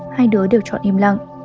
hai đứa đều chọn im lặng